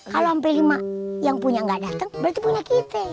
kalo hampe lima yang punya gak dateng berarti punya kita